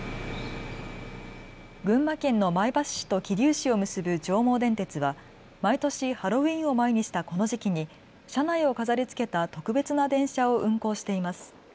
群馬県の前橋市と桐生市を結ぶ上毛電鉄は毎年ハロウィーンを前にしたこの時期に車内を飾りつけた特別の電車を運行しています。